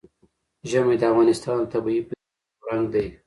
ژمی د افغانستان د طبیعي پدیدو یو رنګ دی.